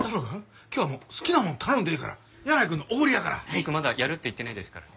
僕まだやるって言ってないですからね。